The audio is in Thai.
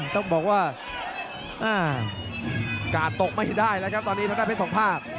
ต้องบอกว่ากาดตกไม่ได้แล้วครับตอนนี้ทางด้านเพชรสองภาค